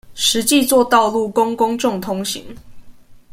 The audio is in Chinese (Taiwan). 實際作道路供公眾通行